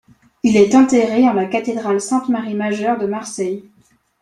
Il est enterré en la cathédrale Sainte-Marie-Majeure de Marseille.